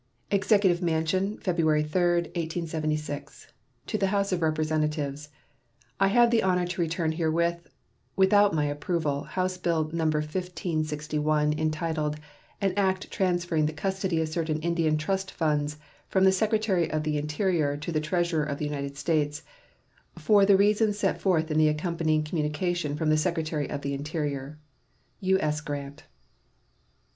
EXECUTIVE MANSION, February 3, 1876. To the House of Representatives: I have the honor to return herewith without my approval House bill No. 1561, entitled "An act transferring the custody of certain Indian trust funds from the Secretary of the Interior to the Treasurer of the United States," for the reasons set forth in the accompanying communication from the Secretary of the Interior. U.S. GRANT.